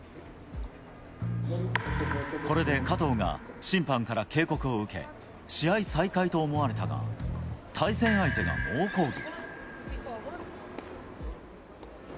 これで加藤が審判から警告を受け、試合再開と思われたが、対戦相手が猛抗議。